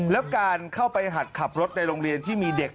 แล้วการเข้าไปหัดขับรถในโรงเรียนที่มีเด็ก